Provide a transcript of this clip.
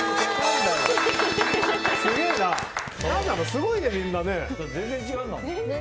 すごいね、みんな。